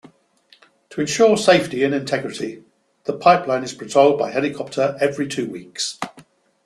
To ensure safety and integrity, the pipeline is patrolled by helicopter every two weeks.